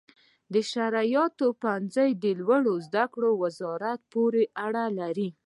شرعیاتو پوهنځي د لوړو زده کړو وزارت پورې اړه لري.